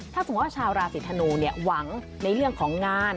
ถ้าสมมุติว่าชาวราศีธนูหวังในเรื่องของงาน